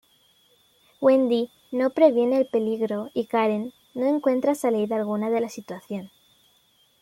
Wendy no previene el peligro y Karen no encuentra salida alguna de la situación.